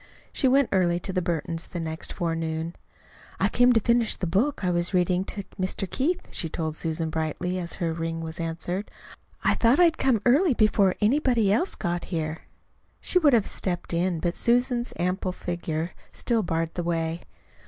She went early to the Burtons' the next forenoon. "I came to finish the book I was reading to Mr. Keith," she told Susan brightly, as her ring was answered. "I thought I'd come early before anybody else got here." She would have stepped in, but Susan's ample figure still barred the way.